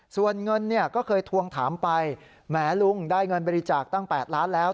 ส่วนเงินเนี่ยก็เคยทวงถามไปแหมลุงได้เงินบริจาคตั้ง๘ล้านแล้ว